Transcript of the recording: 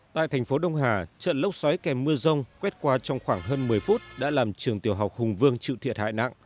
tại thành phố đông hà trận lốc xoáy kèm mưa rông quét qua trong khoảng hơn một mươi phút đã làm trường tiểu học hùng vương chịu thiệt hại nặng